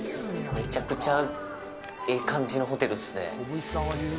めちゃくちゃええ感じのホテルっすね。